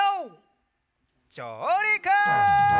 じょうりく！